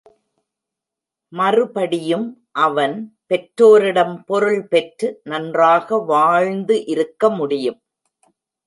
மறுபடியும் அவன் பெற்றோரிடம் பொருள் பெற்று நன்றாக வாழ்ந்து இருக்க முடியும்.